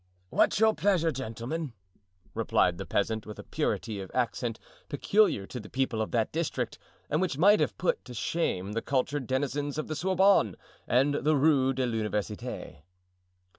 "What's your pleasure, gentlemen?" replied the peasant, with a purity of accent peculiar to the people of that district and which might have put to shame the cultured denizens of the Sorbonne and the Rue de l'Universite.